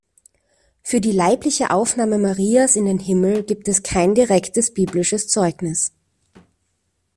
Für die leibliche Aufnahme Marias in den Himmel „gibt es kein direktes biblisches Zeugnis“.